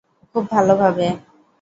খুব ভালো ভাবে।